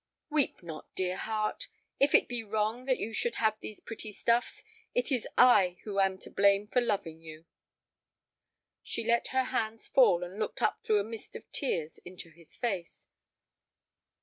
"Weep not, dear heart, if it be wrong that you should have these pretty stuffs, it is I who am to blame for loving you." She let her hands fall and looked up through a mist of tears into his face.